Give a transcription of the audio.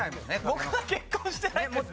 僕は結婚してないです。